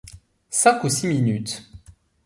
Cinq ou six minutes.